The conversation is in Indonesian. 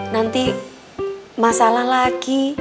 nanti masalah lagi